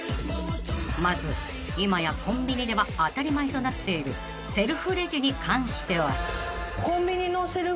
［まず今やコンビニでは当たり前となっているセルフレジに関しては？］